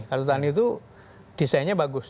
kalau tani itu desainnya bagus